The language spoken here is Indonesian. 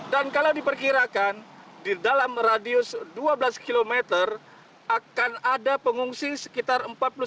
dan kalau diperkirakan di dalam radius dua belas km akan ada pengungsi sekitar empat puluh sembilan empat ratus delapan puluh lima